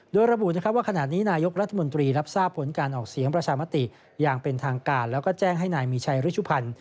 โดยระบุว่าขณะนี้นายกรัฐมนตรีรับทราบผลการออกเสียงประชามติอย่างเป็นทางการแล้วก็แจ้งให้นายมีชัยริชุพันธ์